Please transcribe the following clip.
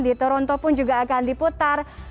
di toronto pun juga akan diputar